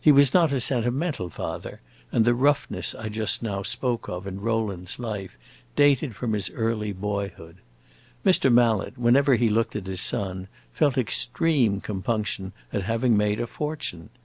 He was not a sentimental father, and the roughness I just now spoke of in Rowland's life dated from his early boyhood. Mr. Mallet, whenever he looked at his son, felt extreme compunction at having made a fortune.